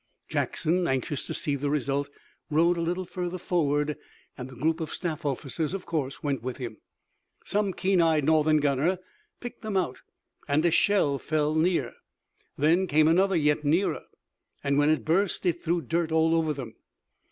Jackson, anxious to see the result, rode a little further forward, and the group of staff officers, of course, went with him. Some keen eyed Northern gunner picked them out, and a shell fell near. Then came another yet nearer, and when it burst it threw dirt all over them.